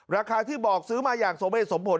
ราคาที่บอกซื้อมาอย่างสมเหตุสมผล